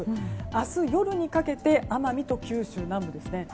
明日夜にかけて奄美と九州南部ですね。